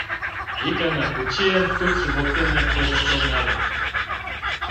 Икана, кучен, тупшо воктене козыртыл нальым.